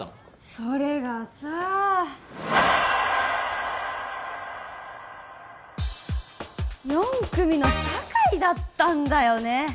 それがさ４組の酒井だったんだよね